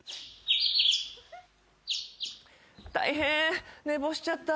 大変寝坊しちゃった。